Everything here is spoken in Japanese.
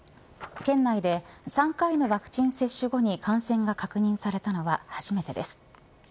県内で３回のワクチン接種後に感染が確認されたのは初めてです。